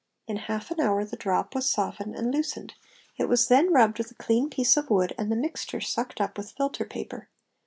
In half an hour the drop was softened and loosened. It was then rubbed with a clean piece of wood and the mixture sucked up with filter paper.